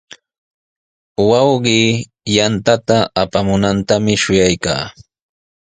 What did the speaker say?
Wawqii yanta apamunantami shuyaykaa.